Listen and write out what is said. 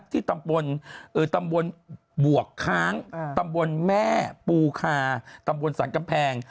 ที่ตำบลตำบลบวกค้างตำบลแม่ปูคาตำบลสรรกำแพง